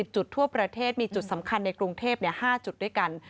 จุดทั่วประเทศมีจุดสำคัญในกรุงเทพ๕จุดด้วยกัน